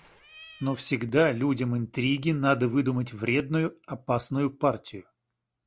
Но всегда людям интриги надо выдумать вредную, опасную партию.